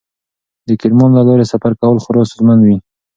د کرمان له لارې سفر کول خورا ستونزمن و.